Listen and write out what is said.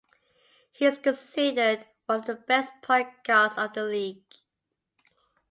He is considered one of the best point guards of the league.